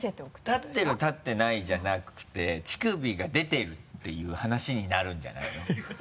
立ってる立ってないじゃなくて乳首が出てるっていう話になるんじゃないの？